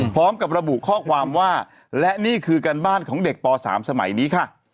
พร้อมกับระบุข้อความว่าและนี่คือการบ้านของเด็กป๓สมัยนี้ค่ะ